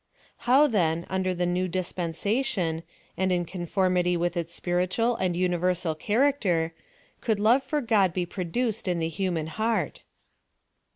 How, then, under the new dispensation, and in conformity with its spiritual and universal charac ter, could love for God be produced in the human lieart